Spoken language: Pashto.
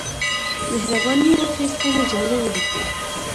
مهرباني وکړئ، سمې جملې وليکئ!